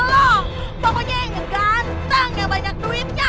pokoknya yang ganteng yang banyak duitnya